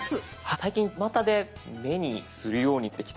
最近ちまたで目にするようになってきた。